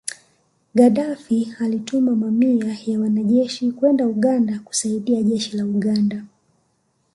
Gadaffi alituma mamia ya wanajeshi kwenda Uganda kusaidia Jeshi la Uganda